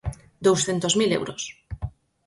Douscentos mil euros.